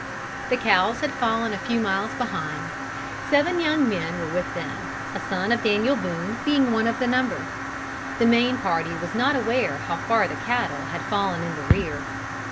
The cows had fallen a few miles behind, seven young men were with them, a son of Daniel Boone being one of the number. The main party was not aware how far the cattle had fallen in the rear.